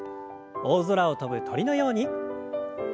大空を飛ぶ鳥のように。